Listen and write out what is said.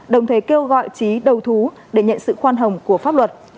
đồng thời kêu gọi trí đầu thú để nhận sự khoan hồng của pháp luật